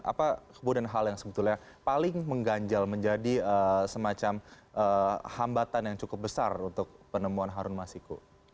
apa kemudian hal yang sebetulnya paling mengganjal menjadi semacam hambatan yang cukup besar untuk penemuan harun masiku